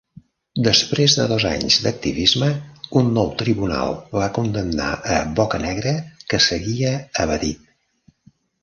Després de dos anys d'activisme, un nou tribunal va condemnar a Bocanegra que seguia evadit.